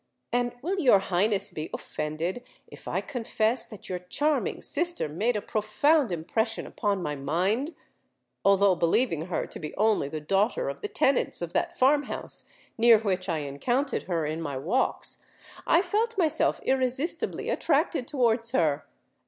"And will your Highness be offended if I confess that your charming sister made a profound impression upon my mind? Although believing her to be only the daughter of the tenants of that farm house near which I encountered her in her walks, I felt myself irresistibly attracted towards her!